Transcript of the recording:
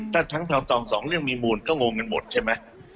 ถ้าทั้งทองสองเรื่องมีมูลก็งงกันหมดใช่ไหม